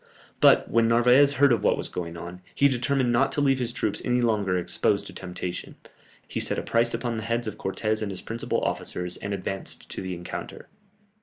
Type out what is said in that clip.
But when Narvaez heard of what was going on, he determined not to leave his troops any longer exposed to temptation; he set a price upon the heads of Cortès and his principal officers, and advanced to the encounter.